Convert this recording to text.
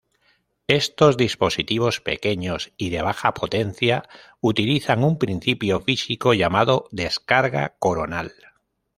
Estos dispositivos pequeños y de baja potencia utilizan un principio físico llamado "descarga coronal".